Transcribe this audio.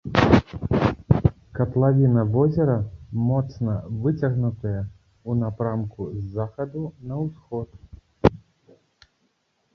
Катлавіна возера моцна выцягнутая ў напрамку з захаду на ўсход.